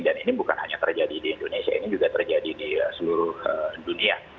dan ini bukan hanya terjadi di indonesia ini juga terjadi di seluruh dunia